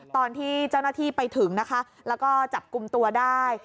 ตอนที่เจ้าหน้าที่ไปถึงนะคะแล้วก็จับกลุ่มตัวได้